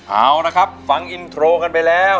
เอาละครับฟังอินโทรกันไปแล้ว